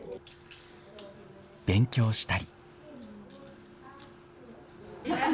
勉強したり。